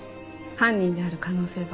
犯人である可能性は？